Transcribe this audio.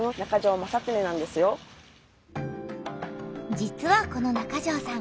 実はこの中條さん